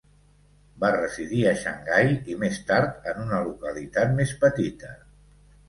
Va residir a Xangai i més tard en una localitat més petita.